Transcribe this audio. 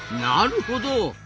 なるほど！